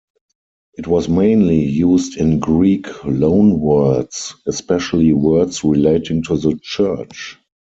It was mainly used in Greek loanwords, especially words relating to the Church.